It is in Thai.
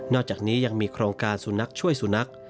อกจากนี้ยังมีโครงการสุนัขช่วยสุนัข